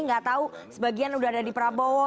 nggak tahu sebagian udah ada di prabowo